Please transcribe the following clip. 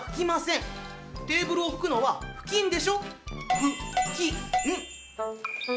テーブルを拭くのは布巾でしょ？